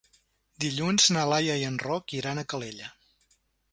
Dilluns na Laia i en Roc iran a Calella.